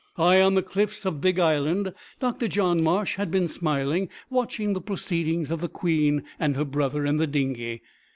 High on the cliffs of Big Island Dr John Marsh had been smilingly watching the proceedings of the queen and her brother in the dinghy.